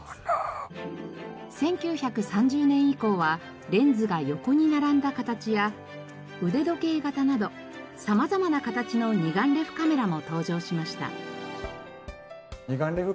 １９３０年以降はレンズが横に並んだ形や腕時計型など様々な形の二眼レフカメラも登場しました。